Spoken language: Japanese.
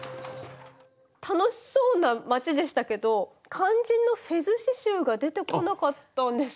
楽しそうな街でしたけど肝心のフェズ刺しゅうが出てこなかったんですけど。